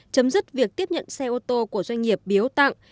chấm dứt việc tiếp nhận xe ô tô của doanh nghiệp biếu tặng